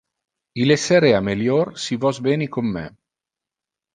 Il esserea melior si vos veni con me.